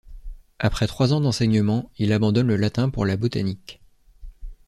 Après trois ans d'enseignement, il abandonne le latin pour la botanique.